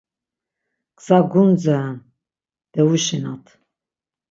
Gza gundze'n. Devuşinat.